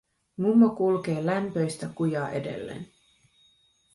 Mummo kulkee lämpöistä kujaa edelleen.